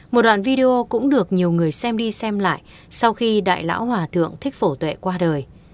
một đoạn video cũng được nhiều người xem đi xem lại sau khi đại lão hòa thượng thích phổ tuệ qua đời